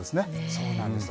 そうなんですよ。